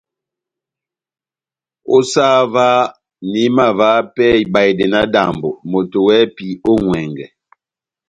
Ó sah óvah, nahimavaha pɛhɛ ibahedɛ náhádambɔ, moto wɛ́hɛ́pi ó ŋʼwɛngɛ !